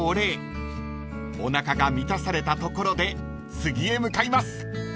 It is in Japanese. ［おなかが満たされたところで次へ向かいます］